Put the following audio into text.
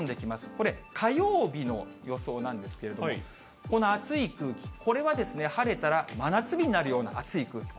これ、火曜日の予想なんですけれども、この暑い空気、これはですね、晴れたら真夏日になるようなあつい空気。